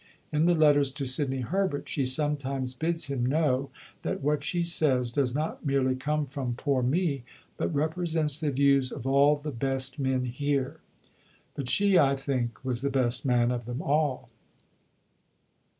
In the letters to Sidney Herbert she sometimes bids him know that what she says does not merely come from "poor me," but represents the views "of all the best men here." But she, I think, was the best man of them all.